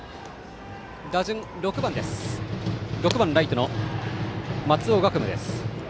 打順６番ライトの松尾学武です。